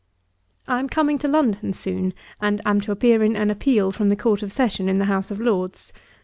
'I am coming to London soon, and am to appear in an appeal from the Court of Session in the House of Lords.